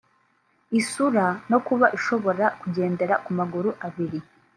isura no kuba ishobora kugendera ku maguru abiri